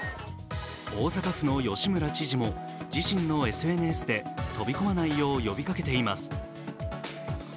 大阪府の吉村知事も自身のＳＮＳで飛び込まないよう呼びかけています。